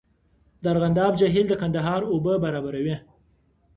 د ارغنداب جهیل د کندهار اوبه برابروي